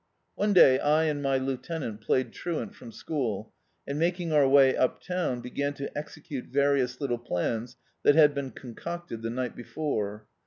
One day I and my lieutenant played truant from school, and making our way up town, began to ex ecute various little plans that bad been concocted the ni^t before.